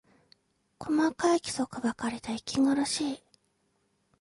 細かい規則ばかりで息苦しい